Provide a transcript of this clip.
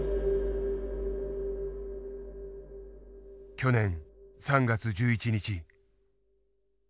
去年３月１１日。